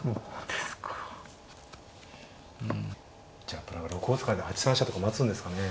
じゃあ６五突かないで８三飛車とか待つんですかね。